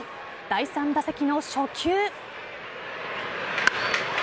第３打席の初球。